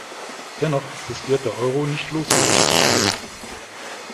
Dennoch existiert der Euro nicht losgelöst von allem.